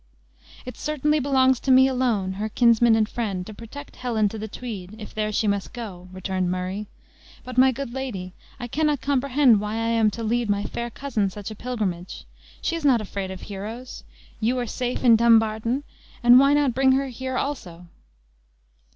"It certainly belongs to me alone, her kinsman and friend, to protect Helen to the Tweed, if there she must go," returned Murray; "but, my good lady, I cannot comprehend why I am to lead my fair cousin such a pilgrimage. She is not afraid of heroes! you are safe in Dumbarton, and why not bring her here also?"